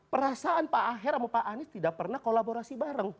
perasaan pak aher sama pak anies tidak pernah kolaborasi bareng